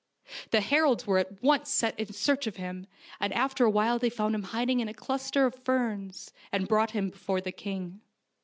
The heralds were at once sent in search of him, and after a while they found him hiding in a cluster of ferns, and brought him before the king.